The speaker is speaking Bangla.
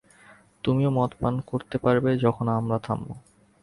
তুমিও মদ পান করতে পারবে, যখন আমরা থামব।